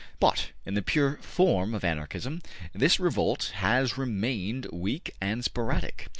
But in the form of pure Anarchism, this revolt has remained weak and sporadic.